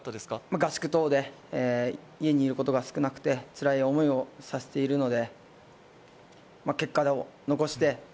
合宿等で家にいることが少なくてつらい思いをさせているので。